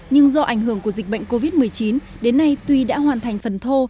nhưng do ảnh hưởng của dịch bệnh covid một mươi chín đến nay tuy đã hoàn thành phần thô